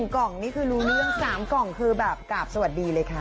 กล่องนี่คือรู้เรื่อง๓กล่องคือแบบกราบสวัสดีเลยค่ะ